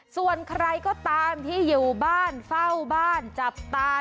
ส่วนใครก็ตามที่อยู่บ้านเฝ้าบ้านจับตา